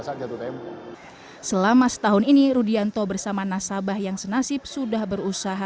saat jatuh tempo selama setahun ini rudianto bersama nasabah yang senasib sudah berusaha